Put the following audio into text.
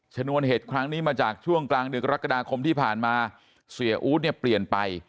ชนวนเหตุครั้งนี้มาจากช่วงกลางดึกกรกฎาคมที่ผ่านมาเสียอู๊ดเนี่ยเปลี่ยนไป